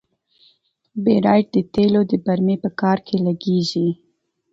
بیرایت د تیلو د برمې په کار کې لګیږي.